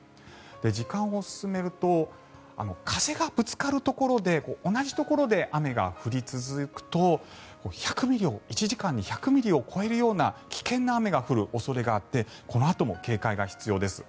時間を進めると風がぶつかるところで同じところで雨が降り続くと１時間に１００ミリを超えるような危険な雨が降る恐れがあってこのあとも警戒が必要です。